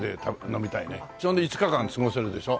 それで５日間過ごせるでしょ。